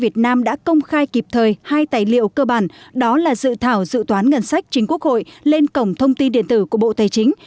việt nam đã công khai kịp thời hai tài liệu cơ bản đó là dự thảo dự toán ngân sách chính quốc hội lên cổng thông tin điện tử của bộ tài chính